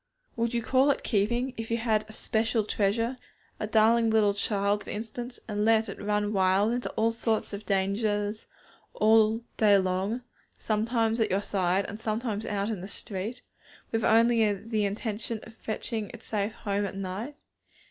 Would you call it 'keeping,' if you had a 'special' treasure, a darling little child, for instance, and let it run wild into all sorts of dangers all day long, sometimes at your side, and sometimes out in the street, with only the intention of fetching it safe home at night?